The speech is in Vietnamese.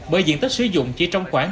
bởi diện tích sử dụng chỉ trong khoảng